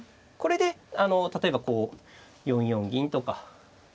これで例えば４四銀とか。